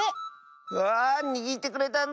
うわあにぎってくれたんだ！